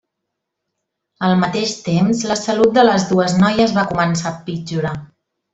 Al mateix temps la salut de les dues noies va començar a empitjorar.